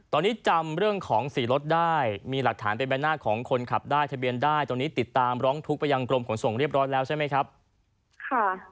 ตอนนี้จำเรื่องของสีรถได้มีหลักฐานเป็นใบหน้าของคนขับได้ทะเบียนได้ตอนนี้ติดตามร้องทุกข์ไปยังกรมขนส่งเรียบร้อยแล้วใช่ไหมครับค่ะ